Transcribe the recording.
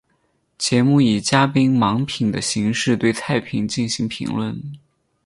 节目以嘉宾盲品的形式对菜品进行评论。